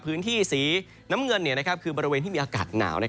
พื้นที่สีน้ำเงินคือบริเวณที่มีอากาศหนาว